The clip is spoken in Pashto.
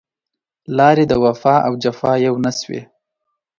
لارې د وفا او جفا يو نه شوې